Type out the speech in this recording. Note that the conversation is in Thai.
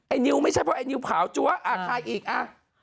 ไอ้นิ้วไม่ใช่เพราะไอ้นิ้วเผาจัวอ่ะใครอีกอ่ะ